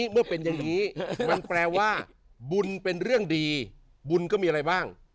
มันแปลว่าบุญเป็นเรื่องดีบุญก็มีอะไรบ้าง